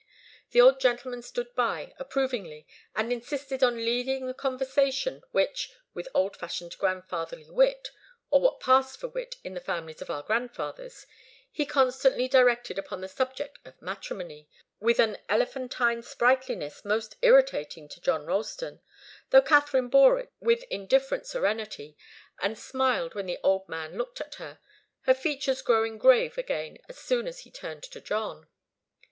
The old gentleman stood by, approvingly, and insisted upon leading the conversation which, with old fashioned grandfatherly wit or what passed for wit in the families of our grandfathers he constantly directed upon the subject of matrimony, with an elephantine sprightliness most irritating to John Ralston, though Katharine bore it with indifferent serenity, and smiled when the old man looked at her, her features growing grave again as soon as he turned to John.